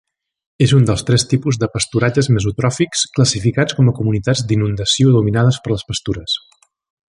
És un dels tres tipus de pasturatges mesotròfics classificats com a comunitats d'inundació dominades per les pastures.